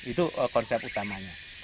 itu konsep utamanya